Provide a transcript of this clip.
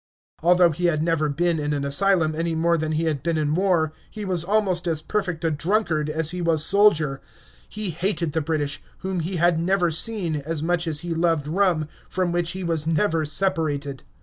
Although he had never been in an asylum any more than he had been in war, he was almost as perfect a drunkard as he was soldier. He hated the British, whom he had never seen, as much as he loved rum, from which he was never separated.